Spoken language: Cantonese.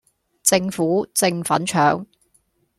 政府正粉腸